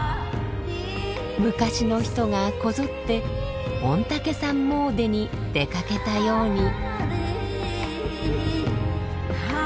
昔の人がこぞって御嶽山詣でに出かけたように。